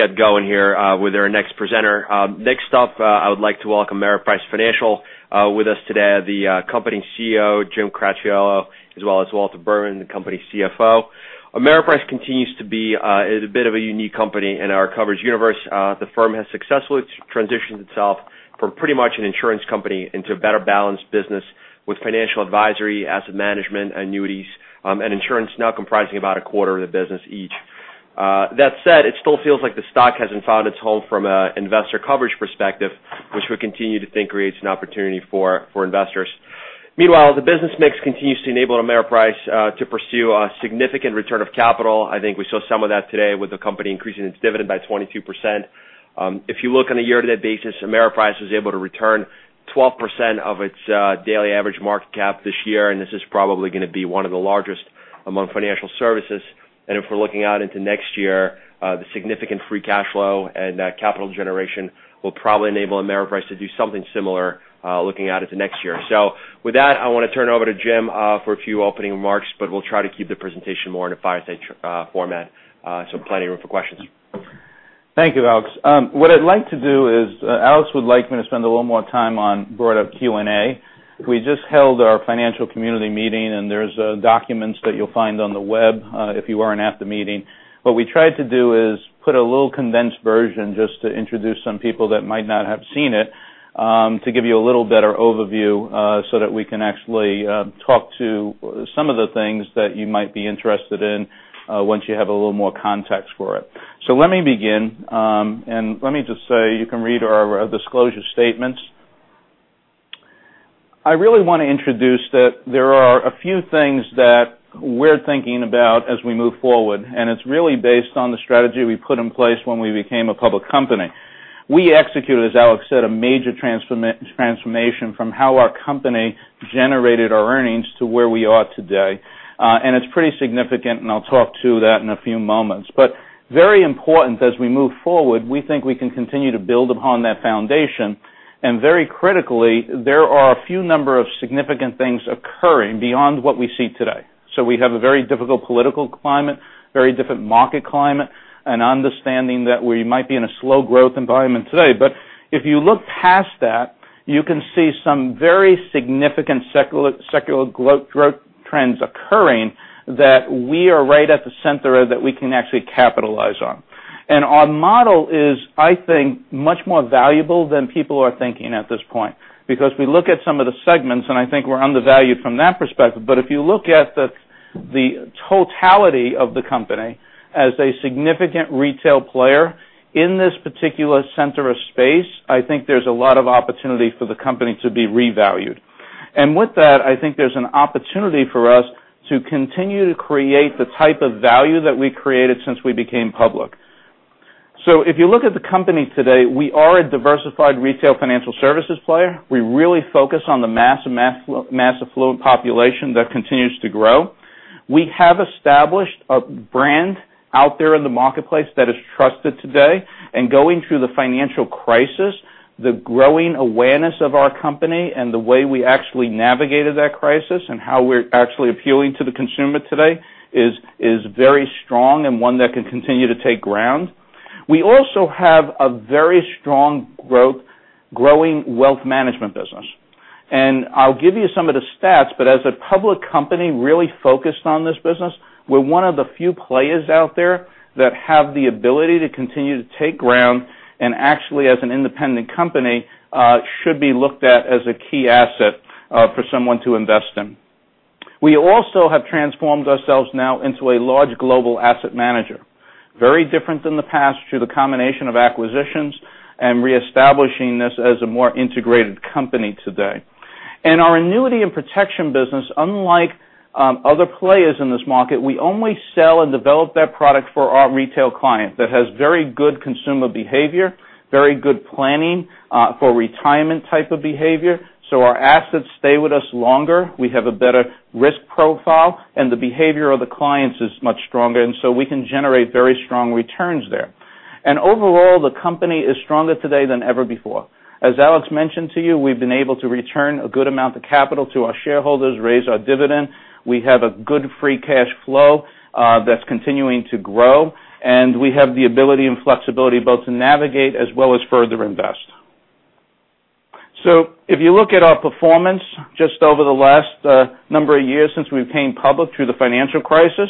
Get going here with our next presenter. Next up, I would like to welcome Ameriprise Financial. With us today, the company CEO, Jim Cracchiolo, as well as Walter Berman, the company CFO. Ameriprise continues to be a bit of a unique company in our coverage universe. The firm has successfully transitioned itself from pretty much an insurance company into a better-balanced business with financial advisory, asset management, annuities, and insurance now comprising about a quarter of the business each. It still feels like the stock hasn't found its home from an investor coverage perspective, which we continue to think creates an opportunity for investors. Meanwhile, the business mix continues to enable Ameriprise to pursue a significant return of capital. I think we saw some of that today with the company increasing its dividend by 22%. If you look on a year-to-date basis, Ameriprise was able to return 12% of its daily average market cap this year, this is probably going to be one of the largest among financial services. If we're looking out into next year, the significant free cash flow and capital generation will probably enable Ameriprise to do something similar, looking out into next year. With that, I want to turn it over to Jim for a few opening remarks, we'll try to keep the presentation more in a fireside chat format. Plenty of room for questions. Thank you, Alex. What I'd like to do is, Alex would like me to spend a little more time on board of Q&A. We just held our financial community meeting, there's documents that you'll find on the web if you weren't at the meeting. What we tried to do is put a little condensed version just to introduce some people that might not have seen it, to give you a little better overview, so that we can actually talk to some of the things that you might be interested in once you have a little more context for it. Let me begin, let me just say, you can read our disclosure statements. I really want to introduce that there are a few things that we're thinking about as we move forward, it's really based on the strategy we put in place when we became a public company. We executed, as Alex said, a major transformation from how our company generated our earnings to where we are today. It's pretty significant, I'll talk to that in a few moments. Very important as we move forward, we think we can continue to build upon that foundation. Very critically, there are a few number of significant things occurring beyond what we see today. We have a very difficult political climate, very different market climate, an understanding that we might be in a slow growth environment today. If you look past that, you can see some very significant secular growth trends occurring that we are right at the center of, that we can actually capitalize on. Our model is, I think, much more valuable than people are thinking at this point. We look at some of the segments, and I think we're undervalued from that perspective. If you look at the totality of the company as a significant retail player in this particular center of space, I think there's a lot of opportunity for the company to be revalued. With that, I think there's an opportunity for us to continue to create the type of value that we created since we became public. If you look at the company today, we are a diversified retail financial services player. We really focus on the mass affluent population that continues to grow. We have established a brand out there in the marketplace that is trusted today. Going through the financial crisis, the growing awareness of our company and the way we actually navigated that crisis and how we're actually appealing to the consumer today is very strong and one that can continue to take ground. We also have a very strong growing wealth management business. I'll give you some of the stats, but as a public company really focused on this business, we're one of the few players out there that have the ability to continue to take ground and actually as an independent company, should be looked at as a key asset for someone to invest in. We also have transformed ourselves now into a large global asset manager. Very different than the past through the combination of acquisitions and reestablishing this as a more integrated company today. Our annuity and protection business, unlike other players in this market, we only sell and develop that product for our retail client that has very good consumer behavior, very good planning for retirement type of behavior. Our assets stay with us longer. We have a better risk profile, and the behavior of the clients is much stronger, we can generate very strong returns there. Overall, the company is stronger today than ever before. As Alex mentioned to you, we've been able to return a good amount of capital to our shareholders, raise our dividend. We have a good free cash flow that's continuing to grow, and we have the ability and flexibility both to navigate as well as further invest. If you look at our performance just over the last number of years since we became public through the financial crisis,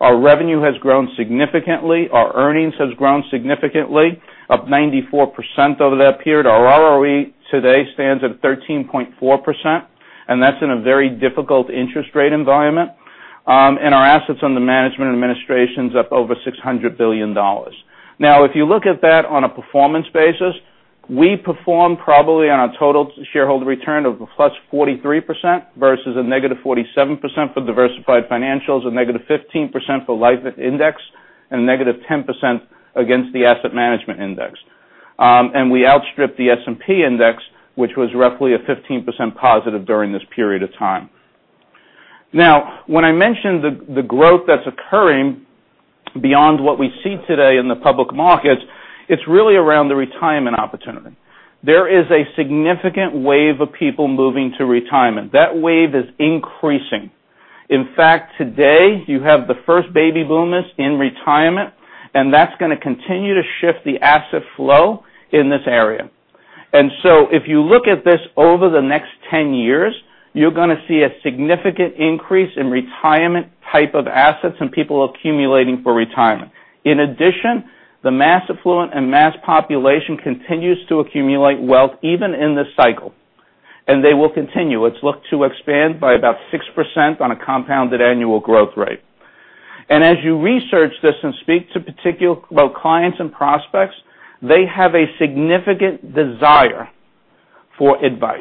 our revenue has grown significantly. Our earnings has grown significantly, up 94% over that period. Our ROE today stands at 13.4%, and that's in a very difficult interest rate environment. Our assets under management and administration's up over $600 billion. If you look at that on a performance basis, we perform probably on a total shareholder return of a +43% versus a -47% for diversified financials, a -15% for life index, and a -10% against the asset management index. We outstripped the S&P Index, which was roughly a +15% during this period of time. When I mentioned the growth that's occurring beyond what we see today in the public markets, it's really around the retirement opportunity. There is a significant wave of people moving to retirement. That wave is increasing. In fact, today, you have the first baby boomers in retirement, that's going to continue to shift the asset flow in this area. If you look at this over the next 10 years, you're going to see a significant increase in retirement type of assets and people accumulating for retirement. In addition, the mass affluent and mass population continues to accumulate wealth even in this cycle, and they will continue. It's looked to expand by about 6% on a compounded annual growth rate. As you research this and speak to clients and prospects, they have a significant desire for advice.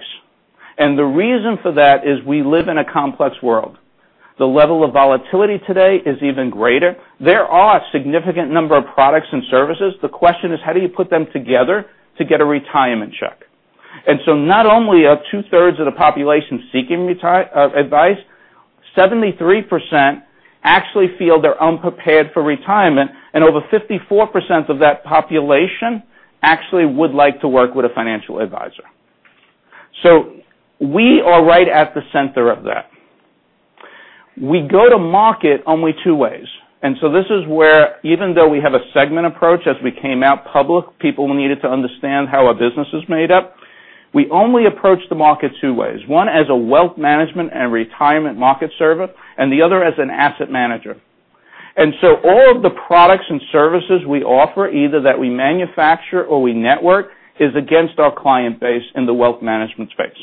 The reason for that is we live in a complex world. The level of volatility today is even greater. There are a significant number of products and services. The question is, how do you put them together to get a retirement check? Not only are two-thirds of the population seeking advice, 73% actually feel they're unprepared for retirement, and over 54% of that population actually would like to work with a financial advisor. We are right at the center of that. We go to market only two ways. This is where, even though we have a segment approach as we came out public, people needed to understand how our business is made up. We only approach the market two ways, one as a wealth management and retirement market server, and the other as an asset manager. All of the products and services we offer, either that we manufacture or we network, is against our client base in the wealth management space.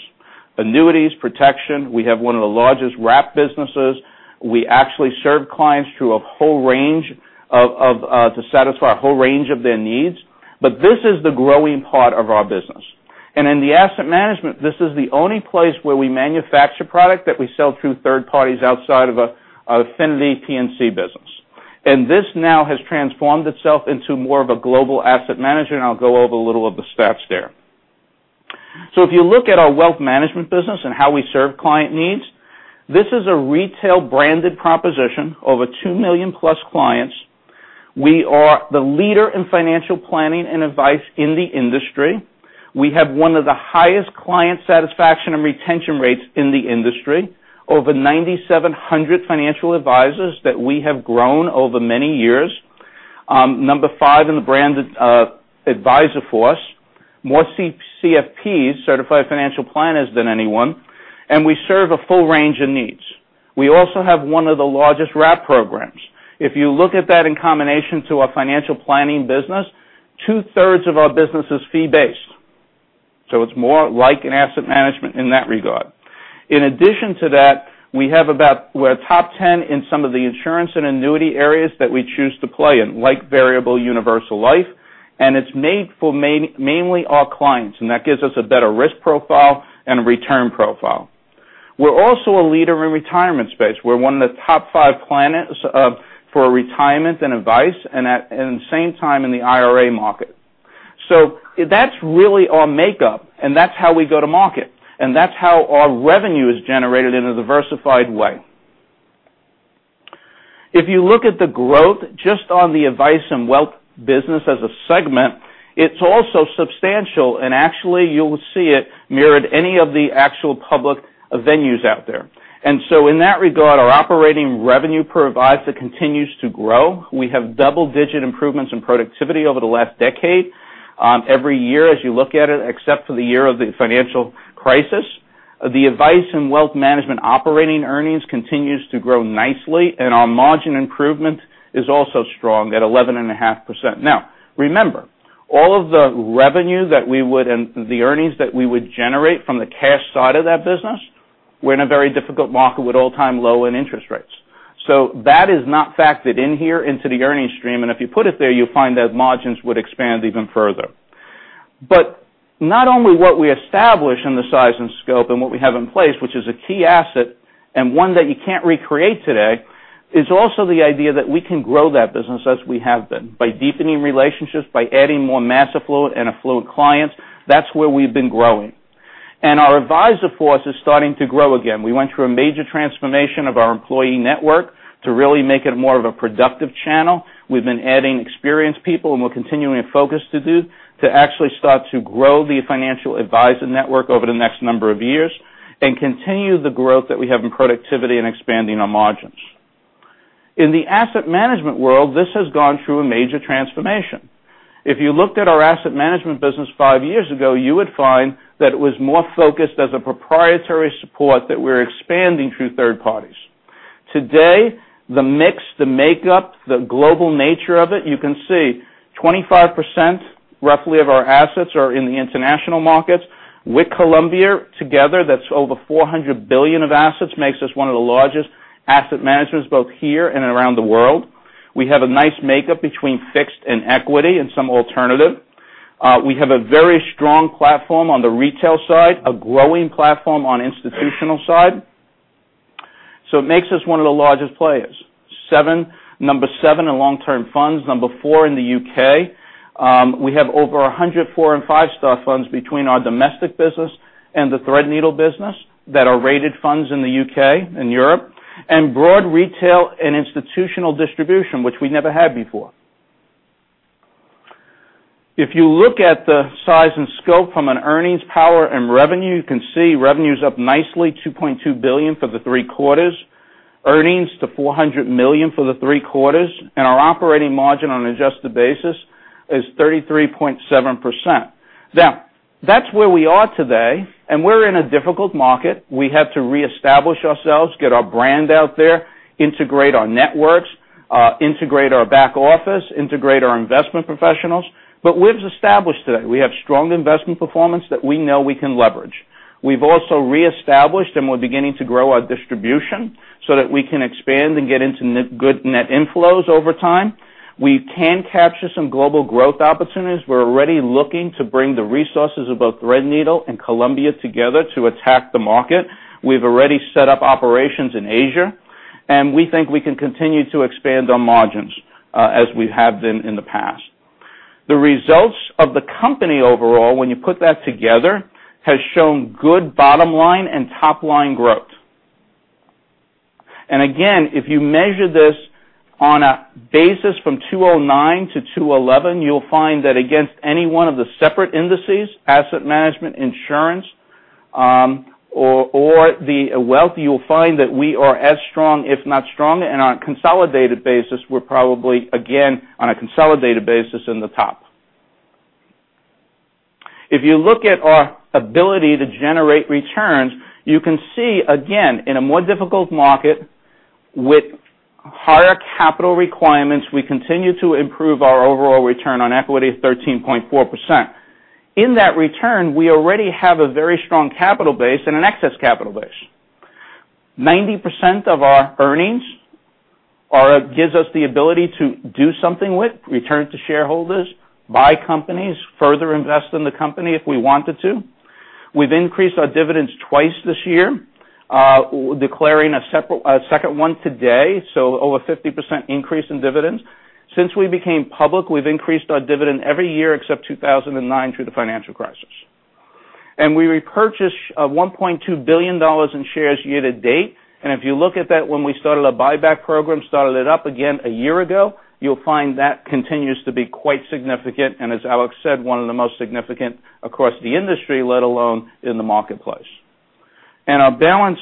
Annuities, protection. We have one of the largest wrap businesses. We actually serve clients to satisfy a whole range of their needs. This is the growing part of our business. In the asset management, this is the only place where we manufacture product that we sell through third parties outside of Affinity PNC business. This now has transformed itself into more of a global asset management. I'll go over a little of the stats there. If you look at our wealth management business and how we serve client needs, this is a retail branded proposition, over 2 million plus clients. We are the leader in financial planning and advice in the industry. We have one of the highest client satisfaction and retention rates in the industry. Over 9,700 financial advisors that we have grown over many years. Number 5 in the branded advisor force. More CFPs, certified financial planners, than anyone, we serve a full range of needs. We also have one of the largest wrap programs. If you look at that in combination to our financial planning business, two-thirds of our business is fee-based. It's more like an asset management in that regard. In addition to that, we're top 10 in some of the insurance and annuity areas that we choose to play in, like variable universal life, it's made for mainly our clients, that gives us a better risk profile and return profile. We're also a leader in retirement space. We're one of the top five planners for retirement and advice, at the same time in the IRA market. That's really our makeup, that's how we go to market, that's how our revenue is generated in a diversified way. If you look at the growth, just on the advice and wealth business as a segment, it's also substantial, actually, you'll see it mirrored any of the actual public venues out there. In that regard, our operating revenue per advisor continues to grow. We have double-digit improvements in productivity over the last decade. Every year, as you look at it, except for the year of the financial crisis, the advice and wealth management operating earnings continues to grow nicely, and our margin improvement is also strong at 11.5%. Remember, all of the revenue and the earnings that we would generate from the cash side of that business, we're in a very difficult market with all-time low in interest rates. That is not factored in here into the earnings stream, and if you put it there, you'll find that margins would expand even further. Not only what we establish in the size and scope and what we have in place, which is a key asset and one that you can't recreate today, is also the idea that we can grow that business as we have been by deepening relationships, by adding more mass affluent and affluent clients. That's where we've been growing. Our advisor force is starting to grow again. We went through a major transformation of our employee network to really make it more of a productive channel. We've been adding experienced people, and we're continuing to focus to actually start to grow the financial advisor network over the next number of years and continue the growth that we have in productivity and expanding our margins. In the asset management world, this has gone through a major transformation. If you looked at our asset management business five years ago, you would find that it was more focused as a proprietary support that we're expanding through third parties. Today, the mix, the makeup, the global nature of it, you can see 25% roughly of our assets are in the international markets. With Columbia, together, that's over $400 billion of assets, makes us one of the largest asset managers, both here and around the world. We have a nice makeup between fixed and equity and some alternative. We have a very strong platform on the retail side, a growing platform on institutional side. It makes us one of the largest players. Number seven in long-term funds, number four in the U.K. We have over 100 four and five-star funds between our domestic business and the Threadneedle business that are rated funds in the U.K. and Europe, and broad retail and institutional distribution, which we never had before. If you look at the size and scope from an earnings power and revenue, you can see revenue's up nicely, $2.2 billion for the three quarters. Earnings to $400 million for the three quarters, and our operating margin on an adjusted basis is 33.7%. That's where we are today, and we're in a difficult market. We have to reestablish ourselves, get our brand out there, integrate our networks, integrate our back office, integrate our investment professionals. We've established today we have strong investment performance that we know we can leverage. We've also reestablished, and we're beginning to grow our distribution so that we can expand and get into good net inflows over time. We can capture some global growth opportunities. We're already looking to bring the resources of both Threadneedle and Columbia together to attack the market. We've already set up operations in Asia, and we think we can continue to expand our margins as we have been in the past. The results of the company overall, when you put that together, has shown good bottom line and top-line growth. Again, if you measure this on a basis from 2009 to 2011, you'll find that against any one of the separate indices, asset management, insurance, or the wealth, you'll find that we are as strong, if not stronger. On a consolidated basis, we're probably, again, on a consolidated basis, in the top. If you look at our ability to generate returns, you can see again, in a more difficult market with higher capital requirements, we continue to improve our overall return on equity of 13.4%. In that return, we already have a very strong capital base and an excess capital base. 90% of our earnings gives us the ability to do something with, return to shareholders, buy companies, further invest in the company if we wanted to. We've increased our dividends twice this year, declaring a second one today, so over a 50% increase in dividends. Since we became public, we've increased our dividend every year except 2009 through the financial crisis. We repurchased $1.2 billion in shares year to date. If you look at that, when we started our buyback program, started it up again a year ago, you'll find that continues to be quite significant, and as Alex said, one of the most significant across the industry, let alone in the marketplace. Our balance,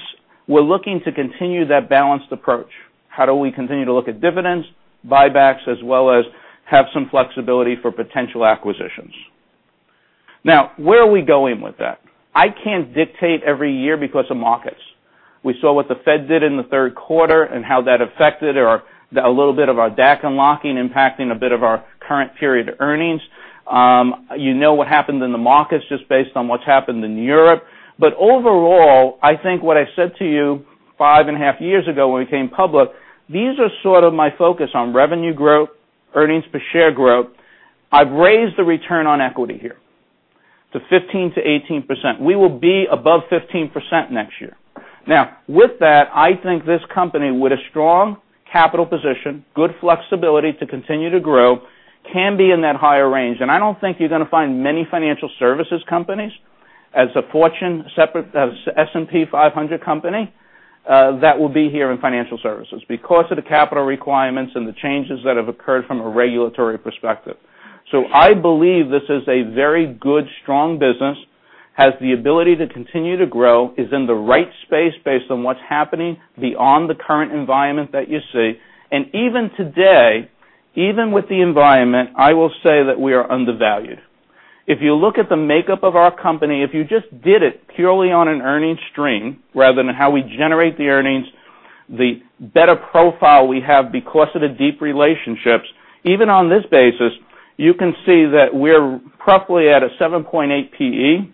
we're looking to continue that balanced approach. How do we continue to look at dividends, buybacks, as well as have some flexibility for potential acquisitions? Now, where are we going with that? I can't dictate every year because of markets. We saw what the Fed did in the third quarter and how that affected a little bit of our DAC unlocking, impacting a bit of our current period earnings. You know what happened in the markets just based on what's happened in Europe. Overall, I think what I said to you five and a half years ago when we came public, these are sort of my focus on revenue growth, earnings per share growth. I've raised the return on equity here to 15%-18%. We will be above 15% next year. Now, with that, I think this company, with a strong capital position, good flexibility to continue to grow, can be in that higher range. I don't think you're going to find many financial services companies as a S&P 500 company that will be here in financial services because of the capital requirements and the changes that have occurred from a regulatory perspective. I believe this is a very good, strong business, has the ability to continue to grow, is in the right space based on what's happening beyond the current environment that you see. Even today, even with the environment, I will say that we are undervalued. If you look at the makeup of our company, if you just did it purely on an earnings stream rather than how we generate the earnings, the better profile we have because of the deep relationships. Even on this basis, you can see that we're roughly at a 7.8 PE.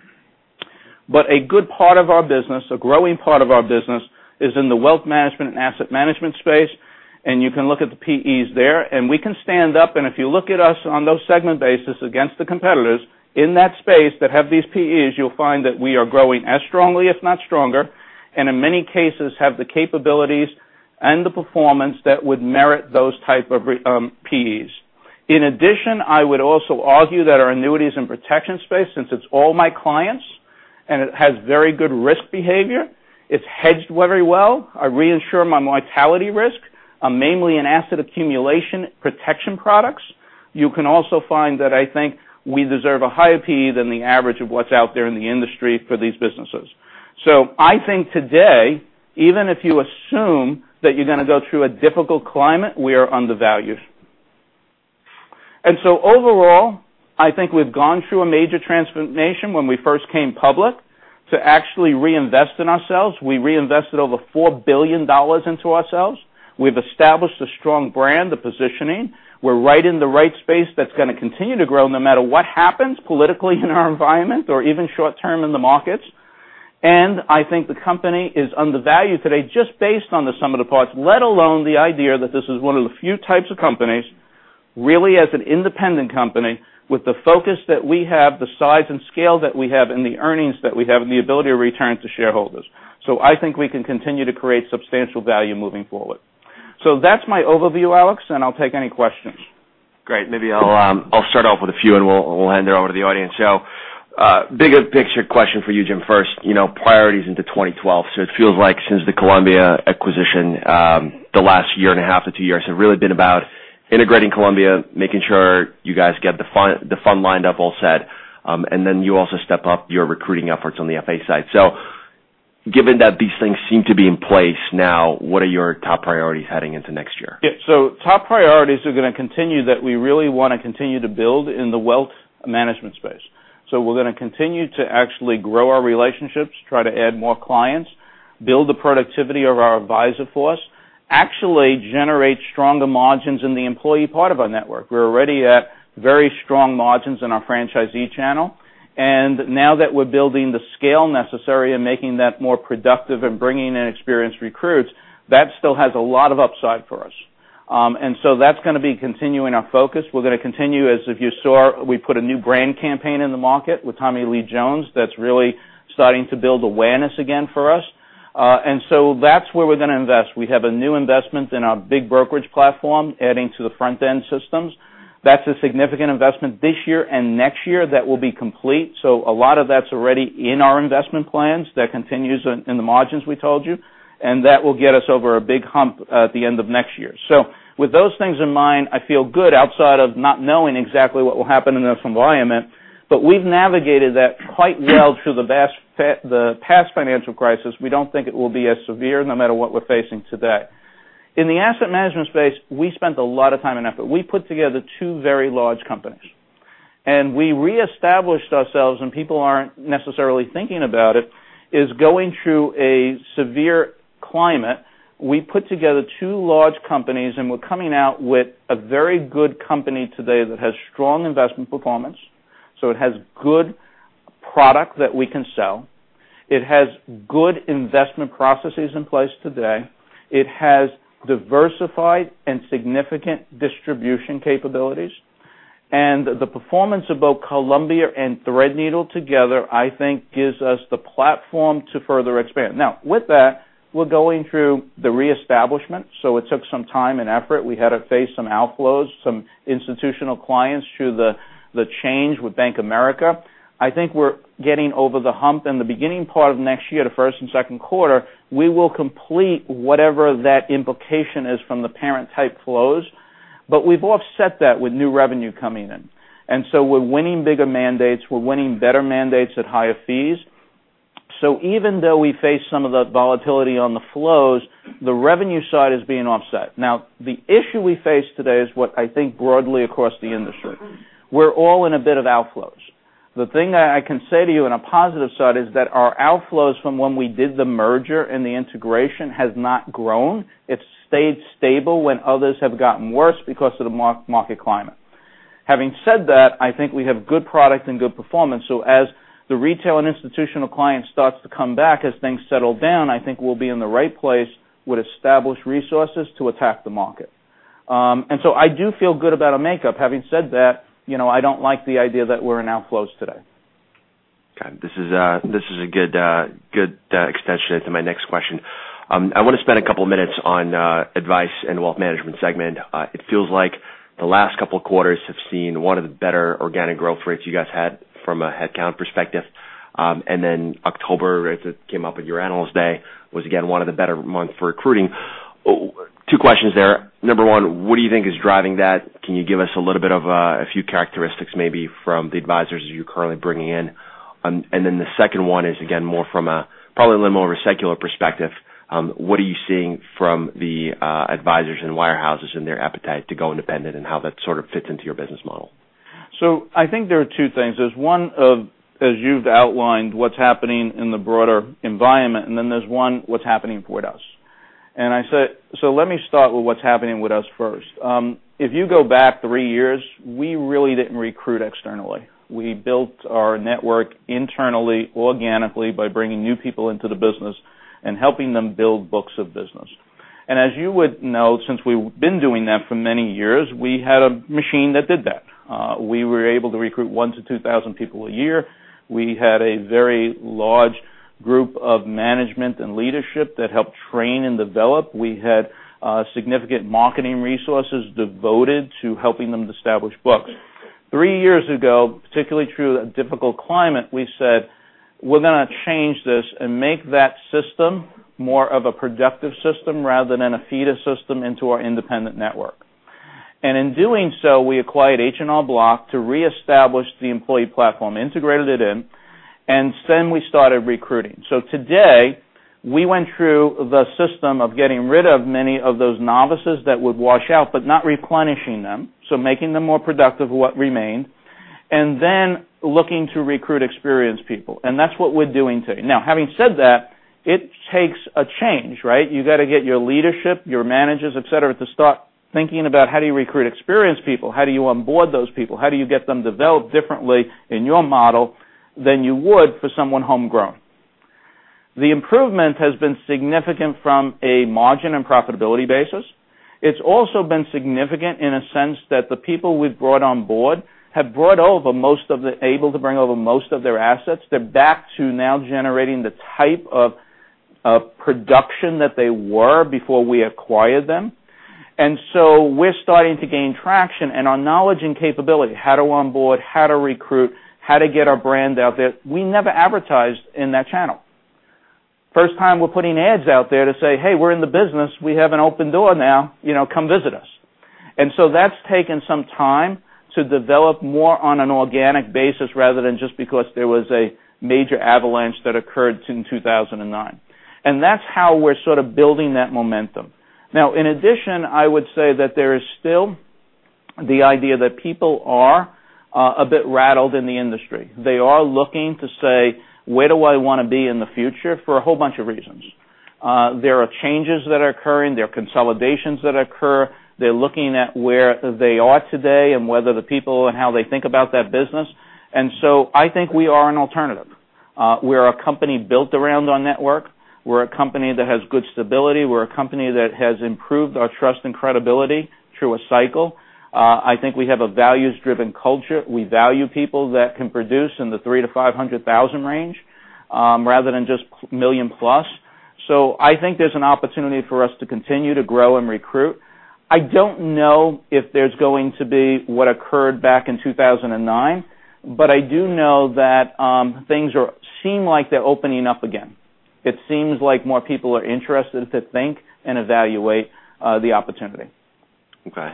A good part of our business, a growing part of our business, is in the wealth management and asset management space, and you can look at the PEs there. We can stand up, and if you look at us on those segment bases against the competitors in that space that have these PEs, you'll find that we are growing as strongly, if not stronger, and in many cases have the capabilities and the performance that would merit those type of PEs. In addition, I would also argue that our annuities and protection space, since it's all my clients and it has very good risk behavior, it's hedged very well. I reinsure my mortality risk, mainly in asset accumulation protection products. You can also find that I think we deserve a higher PE than the average of what's out there in the industry for these businesses. I think today, even if you assume that you're going to go through a difficult climate, we are undervalued. Overall, I think we've gone through a major transformation when we first came public to actually reinvest in ourselves. We reinvested over $4 billion into ourselves. We've established a strong brand, a positioning. We're right in the right space that's going to continue to grow no matter what happens politically in our environment or even short term in the markets. I think the company is undervalued today just based on the sum of the parts, let alone the idea that this is one of the few types of companies, really as an independent company with the focus that we have, the size and scale that we have, and the earnings that we have, and the ability to return to shareholders. I think we can continue to create substantial value moving forward. That's my overview, Alex, and I'll take any questions. Great. Maybe I'll start off with a few, and we'll hand it over to the audience. Bigger picture question for you, Jim. First, priorities into 2012. It feels like since the Columbia acquisition, the last year and a half to two years have really been about integrating Columbia, making sure you guys get the fund lined up all set, and then you also step up your recruiting efforts on the FA side. Given that these things seem to be in place now, what are your top priorities heading into next year? Yeah. Top priorities are going to continue that we really want to continue to build in the wealth management space. We're going to continue to actually grow our relationships, try to add more clients, build the productivity of our advisor force, actually generate stronger margins in the employee part of our network. We're already at very strong margins in our franchisee channel, and now that we're building the scale necessary and making that more productive and bringing in experienced recruits, that still has a lot of upside for us. That's going to be continuing our focus. We're going to continue, as you saw, we put a new brand campaign in the market with Tommy Lee Jones that's really starting to build awareness again for us. That's where we're going to invest. We have a new investment in our big brokerage platform, adding to the front end systems. That's a significant investment this year, and next year that will be complete. A lot of that's already in our investment plans. That continues in the margins we told you, and that will get us over a big hump at the end of next year. With those things in mind, I feel good outside of not knowing exactly what will happen in the environment. We've navigated that quite well through the past financial crisis. We don't think it will be as severe no matter what we're facing today. In the asset management space, we spent a lot of time and effort. We put together two very large companies, and we reestablished ourselves, and people aren't necessarily thinking about it, is going through a severe climate. We put together two large companies, and we're coming out with a very good company today that has strong investment performance. It has good product that we can sell. It has good investment processes in place today. It has diversified and significant distribution capabilities. The performance of both Columbia and Threadneedle together, I think gives us the platform to further expand. Now, with that, we're going through the reestablishment, so it took some time and effort. We had to face some outflows, some institutional clients through the change with Bank of America. I think we're getting over the hump in the beginning part of next year, the first and second quarter, we will complete whatever that implication is from the parent type flows. We've offset that with new revenue coming in. We're winning bigger mandates, we're winning better mandates at higher fees. Even though we face some of that volatility on the flows, the revenue side is being offset. Now, the issue we face today is what I think broadly across the industry. We're all in a bit of outflows. The thing that I can say to you on a positive side is that our outflows from when we did the merger and the integration has not grown. It's stayed stable when others have gotten worse because of the market climate. Having said that, I think we have good product and good performance. As the retail and institutional clients start to come back, as things settle down, I think we'll be in the right place with established resources to attack the market. I do feel good about our makeup. Having said that, I don't like the idea that we're in outflows today. Got it. This is a good extension to my next question. I want to spend a couple of minutes on advice and wealth management segment. It feels like the last couple of quarters have seen one of the better organic growth rates you guys had from a headcount perspective. October, as it came up at your Analyst Day, was again, one of the better months for recruiting. Two questions there. Number one, what do you think is driving that? Can you give us a little bit of a few characteristics maybe from the advisors you're currently bringing in? The second one is, again, more from a probably a little more secular perspective. What are you seeing from the advisors and wirehouses and their appetite to go independent and how that sort of fits into your business model? I think there are two things. There's one of, as you've outlined, what's happening in the broader environment, there's one, what's happening with us. Let me start with what's happening with us first. If you go back three years, we really didn't recruit externally. We built our network internally, organically by bringing new people into the business and helping them build books of business. As you would know, since we've been doing that for many years, we had a machine that did that. We were able to recruit one to 2,000 people a year. We had a very large group of management and leadership that helped train and develop. We had significant marketing resources devoted to helping them establish books. Three years ago, particularly through a difficult climate, we said, "We're going to change this and make that system more of a productive system rather than a feeder system into our independent network." In doing so, we acquired H&R Block to reestablish the employee platform, integrated it in, we started recruiting. Today, we went through the system of getting rid of many of those novices that would wash out, but not replenishing them. Making them more productive, what remained, looking to recruit experienced people. That's what we're doing today. Having said that, it takes a change, right? You got to get your leadership, your managers, et cetera, to start thinking about how do you recruit experienced people, how do you onboard those people, how do you get them developed differently in your model than you would for someone homegrown. The improvement has been significant from a margin and profitability basis. It's also been significant in a sense that the people we've brought on board have been able to bring over most of their assets. They're back to now generating the type of production that they were before we acquired them. We're starting to gain traction, and our knowledge and capability, how to onboard, how to recruit, how to get our brand out there. We never advertised in that channel. First time we're putting ads out there to say, "Hey, we're in the business. We have an open door now. Come visit us." That's taken some time to develop more on an organic basis rather than just because there was a major avalanche that occurred in 2009. That's how we're sort of building that momentum. In addition, I would say that there is still the idea that people are a bit rattled in the industry. They are looking to say, "Where do I want to be in the future?" For a whole bunch of reasons. There are changes that are occurring, there are consolidations that occur. They're looking at where they are today and whether the people and how they think about that business. I think we are an alternative. We're a company built around our network. We're a company that has good stability. We're a company that has improved our trust and credibility through a cycle. I think we have a values-driven culture. We value people that can produce in the $300,000-$500,000 range, rather than just a $1 million plus. I think there's an opportunity for us to continue to grow and recruit. I don't know if there's going to be what occurred back in 2009, but I do know that things seem like they're opening up again. It seems like more people are interested to think and evaluate the opportunity. Okay.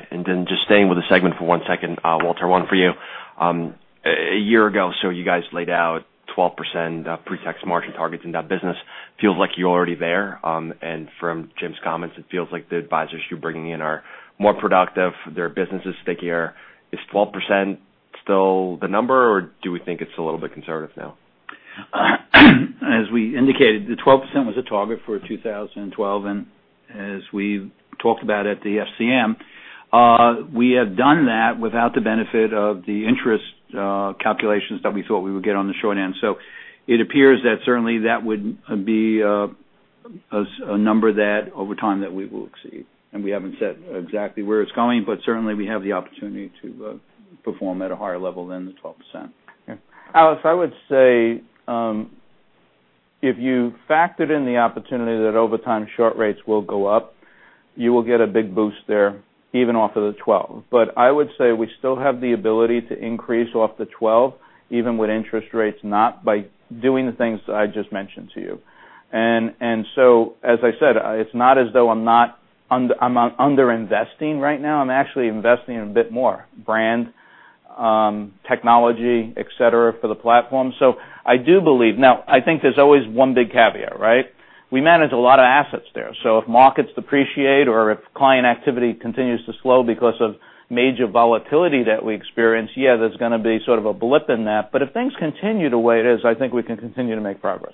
Just staying with the segment for one second, Walter, one for you. A year ago, you guys laid out 12% pre-tax margin targets in that business. Feels like you're already there. From Jim's comments, it feels like the advisors you're bringing in are more productive. Their business is stickier. Is 12% still the number, or do we think it's a little bit conservative now? As we indicated, the 12% was a target for 2012, and as we talked about at the FCM, we have done that without the benefit of the interest calculations that we thought we would get on the short end. It appears that certainly that would be a number that over time that we will exceed, and we haven't said exactly where it's going, but certainly we have the opportunity to perform at a higher level than the 12%. Alex, I would say, if you factored in the opportunity that over time short rates will go up, you will get a big boost there even off of the 12. I would say we still have the ability to increase off the 12, even with interest rates not, by doing the things that I just mentioned to you. As I said, it's not as though I'm not under-investing right now. I'm actually investing a bit more. Brand, technology, et cetera, for the platform. I do believe. I think there's always one big caveat, right? We manage a lot of assets there, so if markets depreciate or if client activity continues to slow because of major volatility that we experience, yeah, there's going to be sort of a blip in that. If things continue the way it is, I think we can continue to make progress.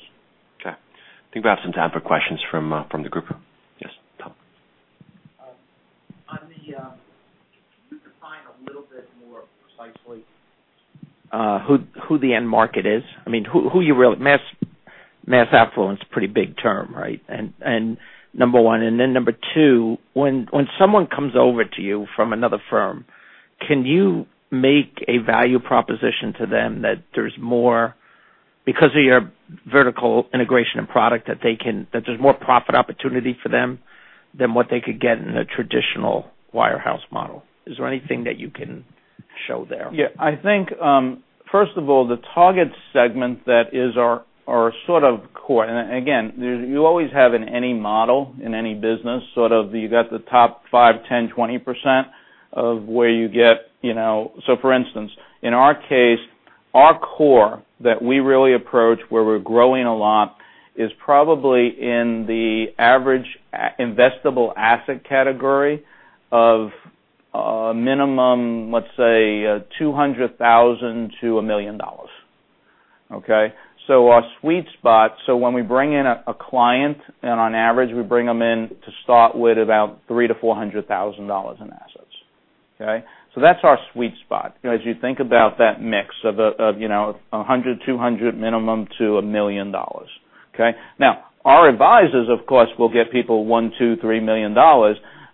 Okay. I think we have some time for questions from the group. Yes, Tom. Can you define a little bit more precisely who the end market is? I mean, who you really mass affluent is a pretty big term, right? Number 1, number 2, when someone comes over to you from another firm, can you make a value proposition to them that there's more, because of your vertical integration and product, that there's more profit opportunity for them than what they could get in a traditional wire house model? Is there anything that you can show there? Yeah. I think, first of all, the target segment that is our sort of core, and again, you always have in any model, in any business, sort of, you got the top 5, 10, 20% of where you get. For instance, in our case, our core that we really approach, where we're growing a lot is probably in the average investable asset category of a minimum, let's say, $200,000 to $1 million. Okay? Our sweet spot, when we bring in a client, and on average, we bring them in to start with about three to $400,000 in assets. Okay? That's our sweet spot, as you think about that mix of $100,000, $200,000 minimum to $1 million. Okay? Now, our advisors, of course, will get people one, two, $3 million.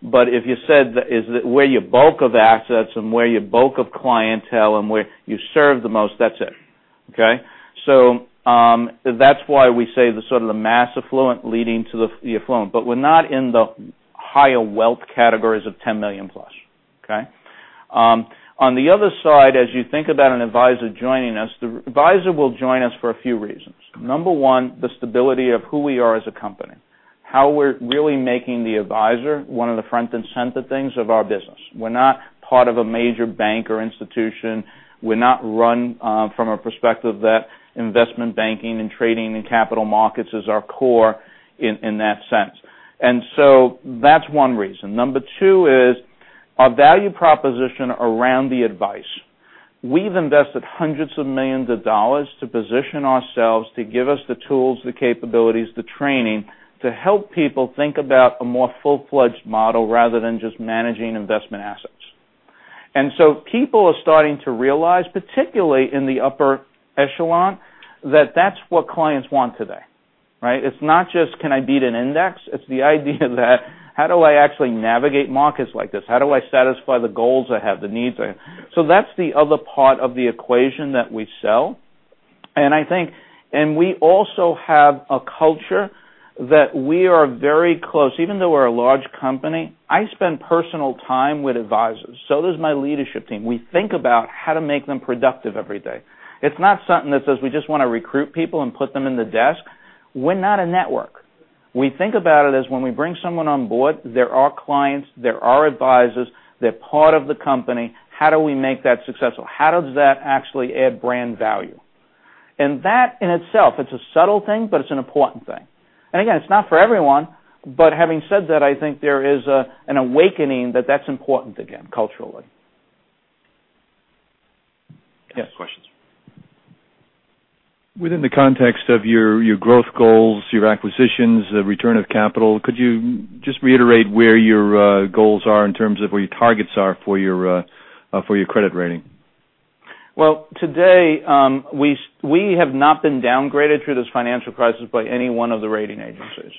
If you said that is where your bulk of assets and where your bulk of clientele and where you serve the most, that's it. Okay? That's why we say the sort of the mass affluent leading to the affluent, but we're not in the higher wealth categories of $10 million plus. Okay? On the other side, as you think about an advisor joining us, the advisor will join us for a few reasons. Number one, the stability of who we are as a company, how we're really making the advisor one of the front and center things of our business. We're not part of a major bank or institution. We're not run from a perspective that investment banking and trading and capital markets is our core in that sense. That's one reason. Number two is our value proposition around the advice. We've invested hundreds of millions of dollars to position ourselves to give us the tools, the capabilities, the training to help people think about a more full-fledged model rather than just managing investment assets. People are starting to realize, particularly in the upper echelon, that that's what clients want today. Right? It's not just, can I beat an index? It's the idea that, how do I actually navigate markets like this? How do I satisfy the goals I have, the needs I have? That's the other part of the equation that we sell. I think, we also have a culture that we are very close. Even though we're a large company, I spend personal time with advisors. So does my leadership team. We think about how to make them productive every day. It's not something that says we just want to recruit people and put them in the desk. We're not a network. We think about it as when we bring someone on board, they're our clients, they're our advisors, they're part of the company. How do we make that successful? How does that actually add brand value? That in itself, it's a subtle thing, but it's an important thing. Again, it's not for everyone. Having said that, I think there is an awakening that that's important again, culturally. Yes. Questions. Within the context of your growth goals, your acquisitions, the return of capital, could you just reiterate where your goals are in terms of where your targets are for your credit rating? Well, today, we have not been downgraded through this financial crisis by any one of the rating agencies.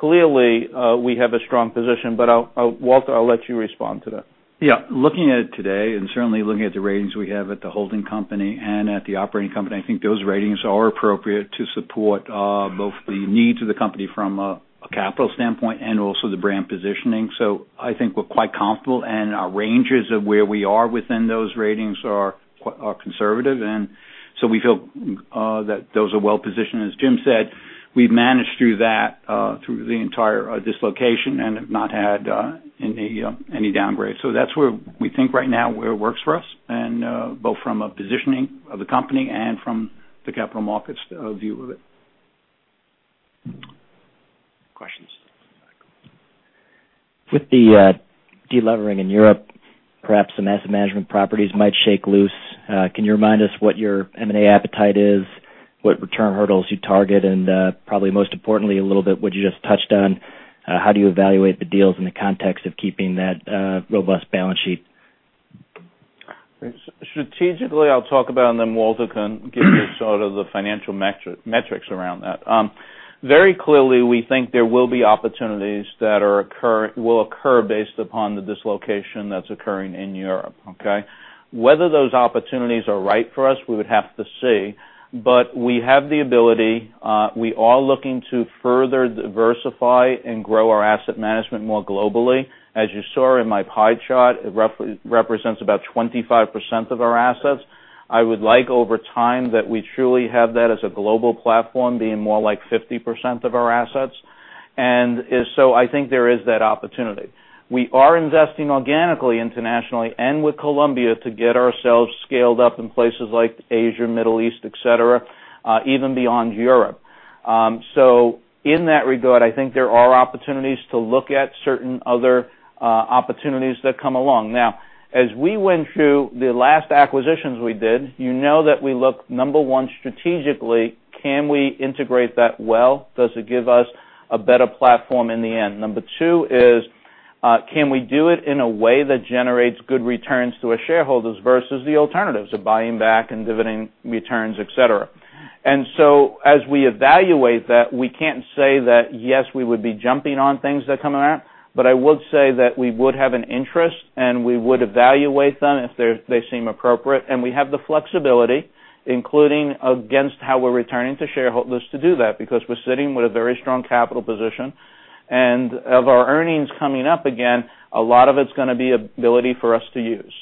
Clearly, we have a strong position. Walter, I'll let you respond to that. Yeah. Looking at it today, and certainly looking at the ratings we have at the holding company and at the operating company, I think those ratings are appropriate to support both the needs of the company from a capital standpoint and also the brand positioning. I think we're quite comfortable, and our ranges of where we are within those ratings are conservative, and so we feel that those are well-positioned. As Jim said, we've managed through that through the entire dislocation and have not had any downgrade. That's where we think right now where it works for us both from a positioning of the company and from the capital markets view of it. Questions. With the delevering in Europe, perhaps some asset management properties might shake loose. Can you remind us what your M&A appetite is, what return hurdles you target, and probably most importantly, a little bit what you just touched on, how do you evaluate the deals in the context of keeping that robust balance sheet? Strategically, I'll talk about, Walter can give you sort of the financial metrics around that. Very clearly, we think there will be opportunities that will occur based upon the dislocation that's occurring in Europe. Okay? Whether those opportunities are right for us, we would have to see, but we have the ability. We are looking to further diversify and grow our asset management more globally. As you saw in my pie chart, it represents about 25% of our assets. I would like over time that we truly have that as a global platform, being more like 50% of our assets. I think there is that opportunity. We are investing organically, internationally, and with Columbia to get ourselves scaled up in places like Asia, Middle East, et cetera, even beyond Europe. In that regard, I think there are opportunities to look at certain other opportunities that come along. Now, as we went through the last acquisitions we did, you know that we look, number 1, strategically, can we integrate that well? Does it give us a better platform in the end? Number 2 is, can we do it in a way that generates good returns to our shareholders versus the alternatives of buying back and dividend returns, et cetera. As we evaluate that, we can't say that, yes, we would be jumping on things that come around. I would say that we would have an interest, and we would evaluate them if they seem appropriate. We have the flexibility, including against how we're returning to shareholders to do that, because we're sitting with a very strong capital position. Of our earnings coming up again, a lot of it's going to be ability for us to use.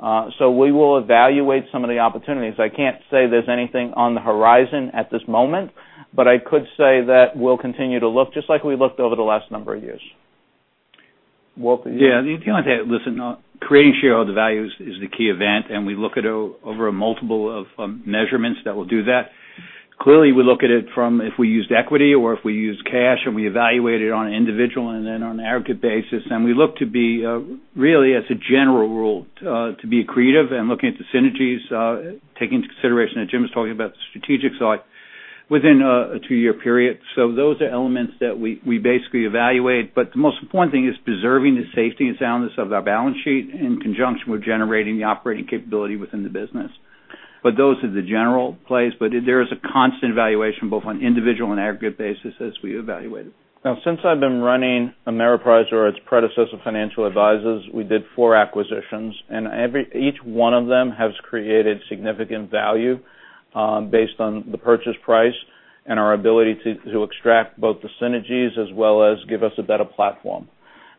We will evaluate some of the opportunities. I can't say there's anything on the horizon at this moment, but I could say that we'll continue to look just like we looked over the last number of years. Walter, Yeah. The only thing, listen, creating shareholder value is the key event, we look at over a multiple of measurements that will do that. Clearly, we look at it from if we used equity or if we used cash, we evaluate it on an individual and then on an aggregate basis. We look to be, really as a general rule, to be accretive and looking at the synergies, taking into consideration that Jim was talking about the strategic side within a 2-year period. Those are elements that we basically evaluate. The most important thing is preserving the safety and soundness of our balance sheet in conjunction with generating the operating capability within the business. Those are the general place. There is a constant evaluation, both on individual and aggregate basis, as we evaluate it. Now, since I've been running Ameriprise or its predecessor, Financial Advisors, we did 4 acquisitions. Each one of them has created significant value based on the purchase price and our ability to extract both the synergies as well as give us a better platform.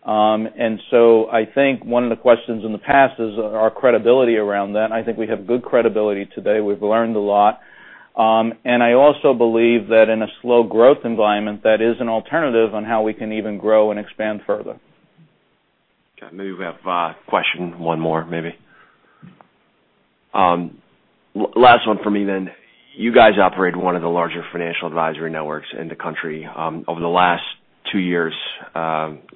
I think one of the questions in the past is our credibility around that. I think we have good credibility today. We've learned a lot. I also believe that in a slow growth environment, that is an alternative on how we can even grow and expand further. Okay. Maybe we have a question, 1 more maybe. Last one from me then. You guys operate 1 of the larger financial advisory networks in the country. Over the last 2 years,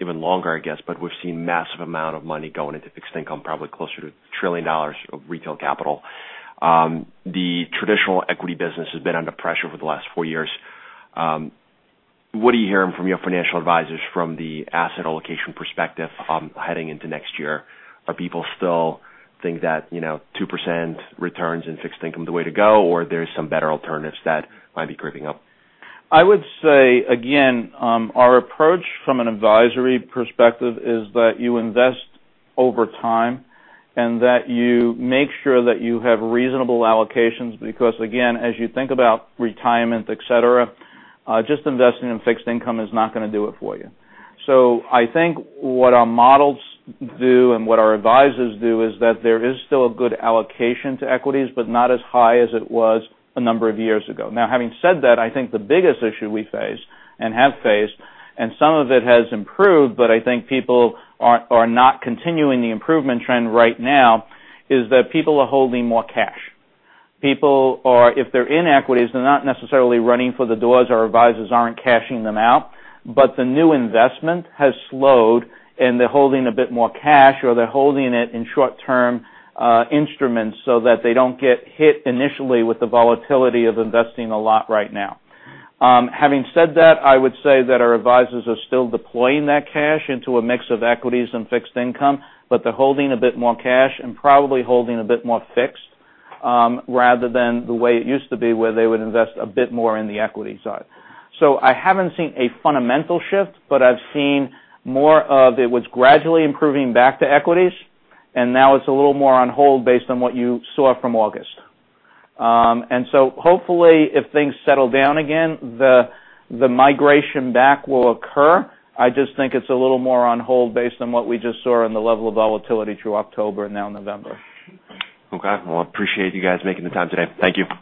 even longer I guess, we've seen massive amount of money going into fixed income, probably closer to $1 trillion of retail capital. The traditional equity business has been under pressure over the last 4 years. What are you hearing from your financial advisors from the asset allocation perspective heading into next year? Are people still think that 2% returns in fixed income is the way to go, or there's some better alternatives that might be creeping up? I would say, again, our approach from an advisory perspective is that you invest over time and that you make sure that you have reasonable allocations because again, as you think about retirement, et cetera, just investing in fixed income is not going to do it for you. I think what our models do and what our advisors do is that there is still a good allocation to equities, but not as high as it was a number of years ago. Having said that, I think the biggest issue we face and have faced, and some of it has improved, but I think people are not continuing the improvement trend right now, is that people are holding more cash. People are, if they're in equities, they're not necessarily running for the doors. Our advisors aren't cashing them out. The new investment has slowed, and they're holding a bit more cash, or they're holding it in short-term instruments so that they don't get hit initially with the volatility of investing a lot right now. Having said that, I would say that our advisors are still deploying that cash into a mix of equities and fixed income, but they're holding a bit more cash and probably holding a bit more fixed, rather than the way it used to be where they would invest a bit more in the equity side. I haven't seen a fundamental shift, but I've seen more of it was gradually improving back to equities, and now it's a little more on hold based on what you saw from August. Hopefully, if things settle down again, the migration back will occur. I just think it's a little more on hold based on what we just saw in the level of volatility through October and now November. I appreciate you guys making the time today. Thank you.